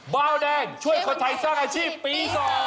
เบาแดงช่วยคนไทยสร้างอาชีพปี๒